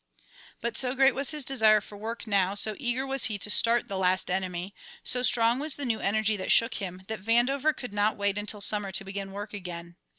But so great was his desire for work now, so eager was he to start the "Last Enemy," so strong was the new energy that shook him, that Vandover could not wait until summer to begin work again.